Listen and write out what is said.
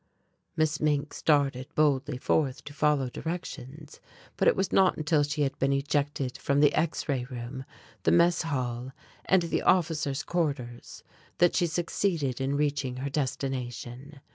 Miss Mink started boldly forth to follow directions, but it was not until she had been ejected from the X ray Room, the Mess Hall, and the Officers' Quarters, that she succeeded in reaching her destination.